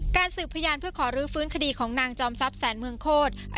สืบพยานเพื่อขอรื้อฟื้นคดีของนางจอมทรัพย์แสนเมืองโคตร